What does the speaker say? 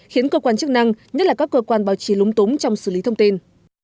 khiến cơ quan chức năng nhất là các cơ quan báo chí lúng túng trong xử lý thông tin